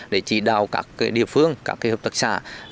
để chỉ đào các địa phương các hợp tác xã